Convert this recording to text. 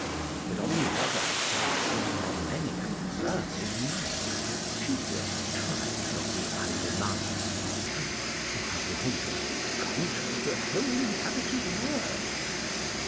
But on the other side are many and learned men, chiefly of the tribes of the Alemanni, who have almost conquered the whole inhabited world.